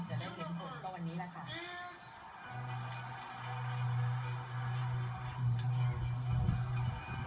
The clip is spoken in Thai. จะได้เตรียมผลก็วันนี้แหละค่ะ